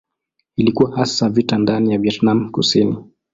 Ilikuwa hasa vita ndani ya Vietnam Kusini.